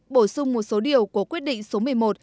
bổ sung một số điều của quyết định số một mươi một